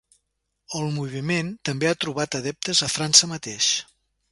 El moviment també ha trobat adeptes a França mateix.